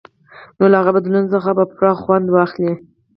نو له هغه بدلون څخه به پوره خوند واخلئ.